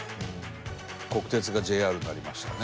国鉄がＪＲになりましたね。